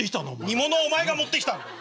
煮物はお前が持ってきたんだよ。